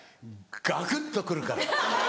ガクっと来るから。